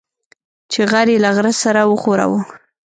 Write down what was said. چې غر يې له غره سره وښوراوه.